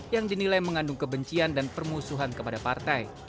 yang dinilai mengandung kebencian dan permusuhan kepada partai